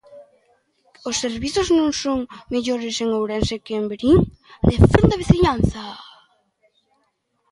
"Os servizos non son mellores en Ourense que en Verín", defende a veciñanza.